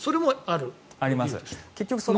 あります。